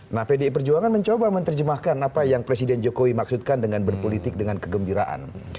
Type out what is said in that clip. nah pdi perjuangan mencoba menerjemahkan apa yang presiden jokowi maksudkan dengan berpolitik dengan kegembiraan